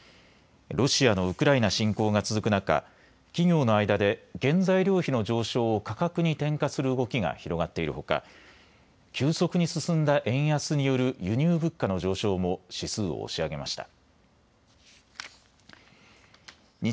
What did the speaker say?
ロシアのウクライナ侵攻が続く中、企業の間で原材料費の上昇を価格に転嫁する動きが広がっているほか、急速に進んだ円安による輸入物価の上昇も指数を押し上げました。